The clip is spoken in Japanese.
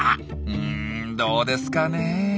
うんどうですかねえ。